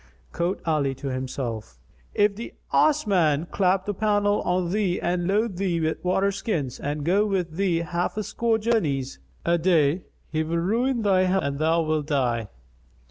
Quoth Ali to himself, "If the Ass man clap the pannel on thee and load thee with water skins and go with thee half a score journeys a day he will ruin thy health and thou wilt die."